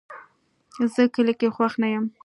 زه کلي کې خوښ نه یم